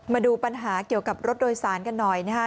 มาดูปัญหาเกี่ยวกับรถโดยสารกันหน่อยนะคะ